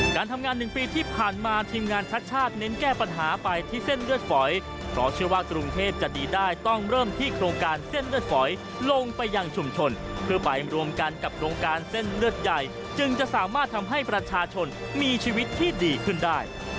การทำงาน๑ปีที่ผ่านมาทีมงานชัดชาติเน้นแก้ปัญหาไปที่เส้นเลือดฝอยเพราะเชื่อว่ากรุงเทพจะดีได้ต้องเริ่มที่โครงการเส้นเลือดฝอยลงไปยังชุมชนเพื่อไปรวมกันกับโครงการเส้นเลือดใหญ่จึงจะสามารถทำให้ประชาชนมีชีวิตที่ดีขึ้นได้